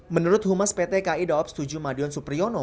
menurut humas pt k i dops